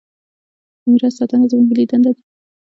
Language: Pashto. د میراث ساتنه زموږ ملي دنده ده.